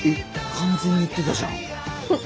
完全に言ってたじゃん。